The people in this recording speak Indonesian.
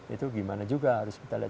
itu gimana juga harus kita lihat